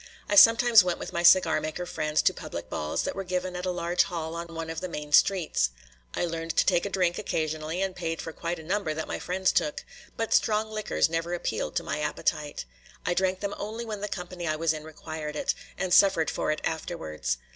I sometimes went with my cigar maker friends to public balls that were given at a large hall on one of the main streets. I learned to take a drink occasionally and paid for quite a number that my friends took; but strong liquors never appealed to my appetite. I drank them only when the company I was in required it, and suffered for it afterwards.